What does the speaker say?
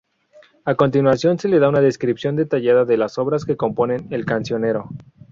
A continuación se da una descripción detallada de las obras que componen el cancionero.